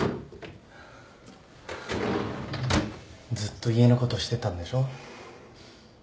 ずっと家のことしてたんでしょ？